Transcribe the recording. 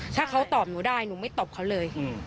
ถ้าเขาตอบหนูได้หนูไม่ตอบเขาเลย